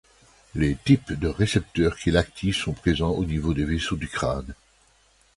Les types de récepteurs qu'il active sont présents au niveau des vaisseaux du crâne.